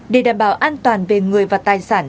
để đảm bảo an toàn về người và tài sản